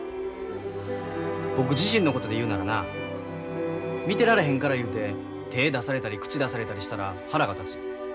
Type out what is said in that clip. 僕自身のことで言うならな見てられへんからいうて手ぇ出されたり口出されたりしたら腹が立つ。